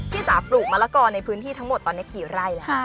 จ๋าปลูกมะละกอในพื้นที่ทั้งหมดตอนนี้กี่ไร่แล้ว